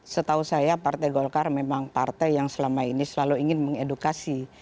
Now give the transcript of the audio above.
setahu saya partai golkar memang partai yang selama ini selalu ingin mengedukasi